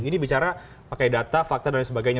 ini bicara pakai data fakta dan sebagainya